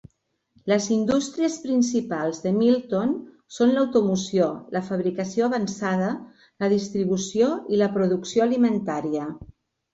Les indústries principals de Milton són l'automoció, la fabricació avançada, la distribució i la producció alimentària.